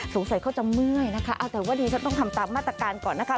เขาจะเมื่อยนะคะเอาแต่ว่าดีฉันต้องทำตามมาตรการก่อนนะคะ